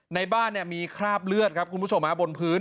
ในบ้านเนี่ยมีคราบเลือดครับคุณผู้ชมบนพื้น